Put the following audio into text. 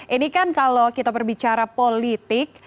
ini kan kalau kita berbicara politik